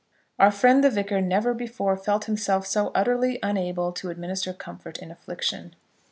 "] Our friend the Vicar never before felt himself so utterly unable to administer comfort in affliction.